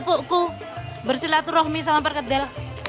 knik guru kunci bersihlah turuh misalnya bergedel